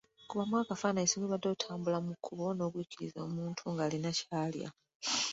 Kubamu akafaananyi singa obadde otambula mu kkubo nogwikiriza omuntu ng'alina kyalya.